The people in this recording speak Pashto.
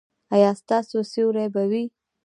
ایا ستاسو سیوری به وي؟